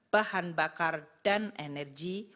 bahan bakar dan energi